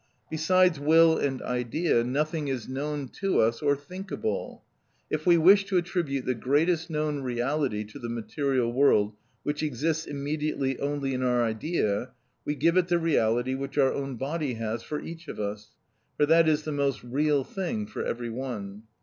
Besides will and idea nothing is known to us or thinkable. If we wish to attribute the greatest known reality to the material world which exists immediately only in our idea, we give it the reality which our own body has for each of us; for that is the most real thing for every one.